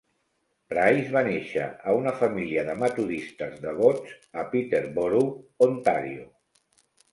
Price va néixer a una família de metodistes devots a Peterborough, Ontario.